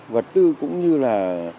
vật tư cũng như là